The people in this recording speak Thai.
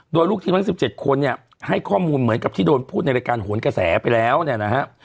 โดยลูกทีมทั้ง๑๗คนเนี่ยให้ข้อมูลเหมือนกับที่โดนพูดในรายการโหนกระแสไปแล้วเนี่ยนะฮะ